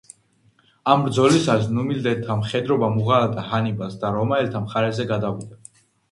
ამ ბრძოლისას ნუმიდიელთა მხედრობამ უღალატა ჰანიბალს და რომაელთა მხარეზე გადავიდა.